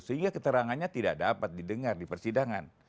sehingga keterangannya tidak dapat didengar di persidangan